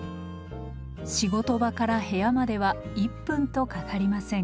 仕事場から部屋までは１分とかかりません。